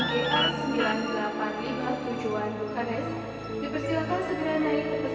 dipersilakan segera naik ke pesawat udara melalui pintu tujuh belas